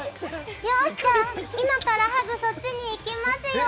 よーし、じゃあ今からハグそっちに行きますよ！